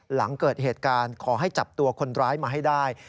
หลังเกิดเหตุการณ์ขอให้จับตัวคนร้ายมาให้ได้